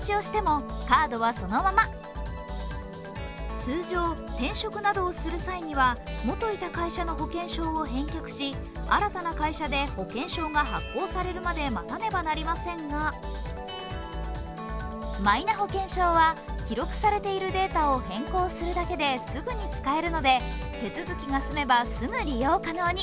通常、転職などをする際には元いた会社の保険証を返却し新たな会社で保険証が発行されるまで待たねばなりませんが、マイナ保険証は、記録されているデータを変更するだけですぐに使えるので、手続きが済めばすぐ利用可能に。